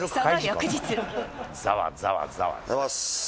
おはようございます。